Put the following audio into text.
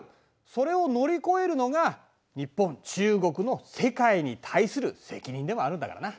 それを乗り越えるのが日本中国の世界に対する責任でもあるんだからな。